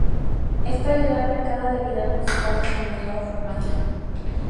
Esto ayudó al mercado de vídeos musicales en el nuevo formato.